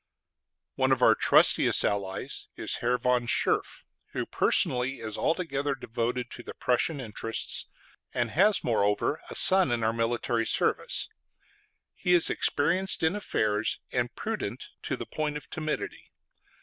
One of our trustiest allies is Herr von Scherff, who personally is altogether devoted to the Prussian interests, and has moreover a son in our military service; he is experienced in affairs, and prudent to the point of timidity.